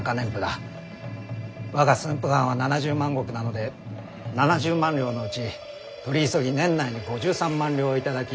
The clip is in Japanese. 我が駿府藩は７０万石なので７０万両のうち取り急ぎ年内に５３万両を頂き。